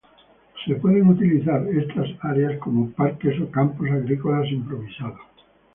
Estas áreas pueden ser utilizadas como parques o campos agrícolas improvisados.